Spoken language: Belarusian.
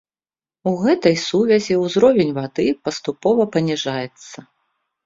У гэтай сувязі ўзровень вады паступова паніжаецца.